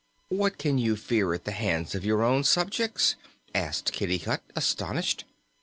"What can you fear at the hands of your own subjects?" asked Kitticut, astonished.